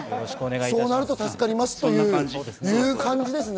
そうなると助かりますという感じですね。